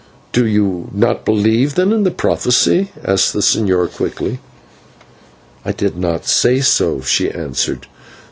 "Do you not believe, then, in the prophecy?" asked the señor quickly. "I did not say so," she answered.